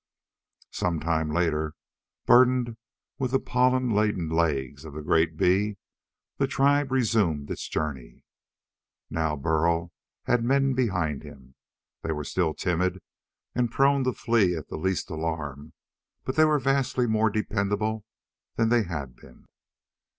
Some time later, burdened with the pollen laden legs of the great bee, the tribe resumed its journey. Now Burl had men behind him. They were still timid and prone to flee at the least alarm, but they were vastly more dependable than they had been.